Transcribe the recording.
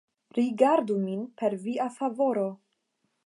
Rigardu nin per Via favoro.